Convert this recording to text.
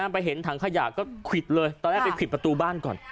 ไปเห็นถังขยะก็ควิดเลยตอนแรกไปปิดประตูบ้านก่อน